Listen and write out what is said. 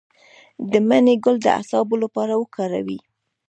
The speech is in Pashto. د مڼې ګل د اعصابو لپاره وکاروئ